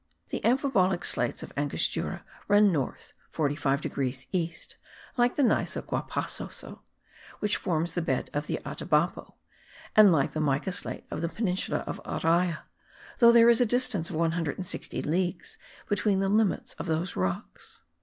The amphibolic slates of Angostura run north 45 degrees east, like the gneiss of Guapasoso which forms the bed of the Atabapo, and like the mica slate of the peninsula of Araya, though there is a distance of 160 leagues between the limits of those rocks.